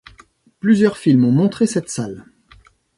Plusieurs films ont montré cette salle.